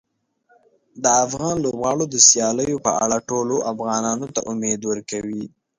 د افغان لوبغاړو د سیالیو په اړه ټولو افغانانو ته امید ورکوي.